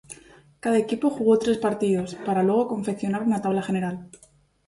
Cada equipo jugó tres partidos, para luego confeccionar una tabla general.